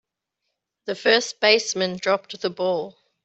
The first baseman dropped the ball.